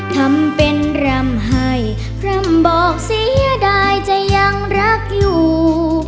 ทำเป็นรำให้พร่ำบอกเสียดายจะยังรักอยู่